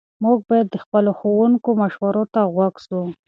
موږ باید د خپلو ښوونکو مشورو ته غوږ سو.